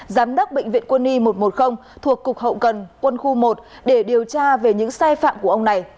giám đốc bệnh viện quân y một trăm một mươi thuộc cục hậu cần quân khu một để điều tra về những sai phạm của ông này